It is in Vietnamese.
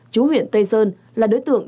chú huyện tây sơn là đối tượng